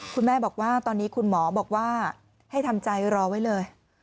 คุณแม่บอกว่าตอนนี้คุณหมอบอกว่าให้ทำใจรอไว้เลย